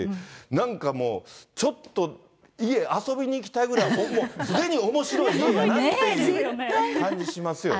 なんかもう、ちょっと、家遊びに行きたいぐらい、すでにおもしろい家やなっていう感じしますよね。